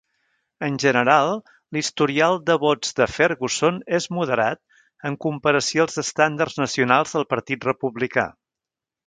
En general, l'historial de vots de Ferguson és moderat en comparació als estàndards nacionals del Partit Republicà.